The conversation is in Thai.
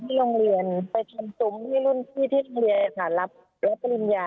ที่โรงเรียนไปทำซูมให้ลุ่นพี่ที่เรียนขณะรับรับปริญญา